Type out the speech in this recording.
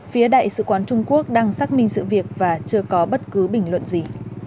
phía đại sứ quán trung quốc đang xác minh sự việc và chưa có bất cứ bình luận gì